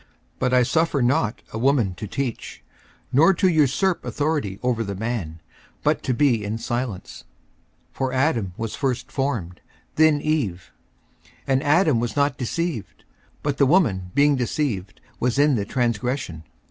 54:002:012 But I suffer not a woman to teach, nor to usurp authority over the man, but to be in silence. 54:002:013 For Adam was first formed, then Eve. 54:002:014 And Adam was not deceived, but the woman being deceived was in the transgression.